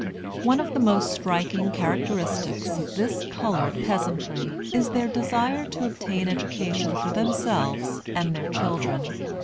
One of the most striking characteristics of this colored peasantry is their desire to obtain education for themselves and their children.